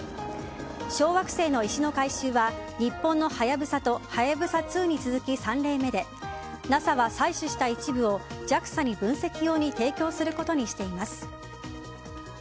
小惑星の石の回収は日本の「はやぶさ」と「はやぶさ２」に続き３例目でＮＡＳＡは採取した一部をＪＡＸＡに分析用に提供することにしています。